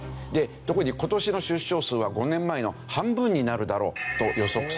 特に今年の出生数は５年前の半分になるだろうと予測されている。